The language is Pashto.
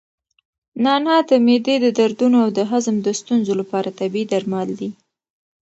نعناع د معدې د دردونو او د هضم د ستونزو لپاره طبیعي درمل دي.